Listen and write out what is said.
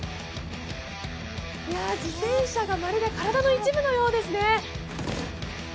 自転車がまるで体の一部のようですね。